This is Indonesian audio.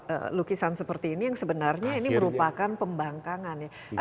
ada lukisan seperti ini yang sebenarnya ini merupakan pembangkangan ya